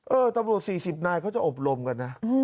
ตำรวจ๔๐นายเขาจะอบรมกันนะ